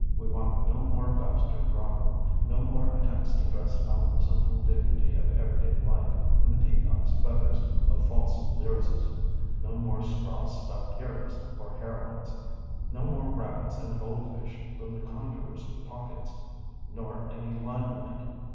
We want no more bastard drama; no more attempts to dress out the simple dignity of everyday life in the peacock's feathers of false lyricism; no more straw stuffed heroes or heroines; no more rabbits and goldfish from the conjurer's pockets, nor any limelight.